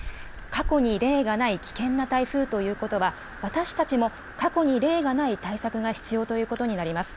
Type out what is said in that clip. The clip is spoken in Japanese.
過去に例がない危険な台風ということは、私たちも過去に例がない対策が必要ということになります。